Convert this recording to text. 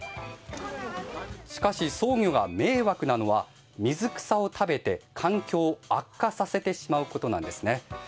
しかし、ソウギョが迷惑なのは水草を食べて環境を悪化させてしまうことなんですね。